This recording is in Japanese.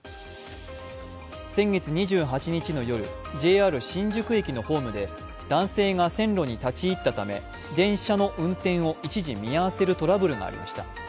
先月２８日の夜、ＪＲ新宿駅のホームで男性が線路に立ち入ったため電車の運転を一時見合わせるトラブルがありました。